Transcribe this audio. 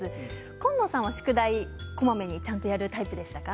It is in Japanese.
紺野さんは宿題こまめにちゃんとやるタイプでしたか？